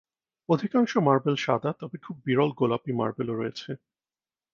অধিকাংশ মার্বেল সাদা, তবে খুব বিরল গোলাপি মার্বেলও রয়েছে।